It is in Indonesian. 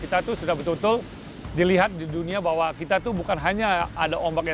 kita tuh sudah betul betul dilihat di dunia bahwa kita tuh bukan hanya ada ombaknya